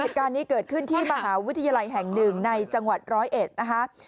เหตุการณ์นี้เกิดขึ้นที่มหาวิทยาลัยแห่งหนึ่งในจังหวัดร้อยเอ็ดนะคะ